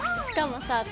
しかもさ